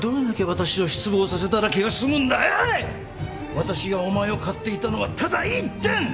私がお前を買っていたのはただ一点！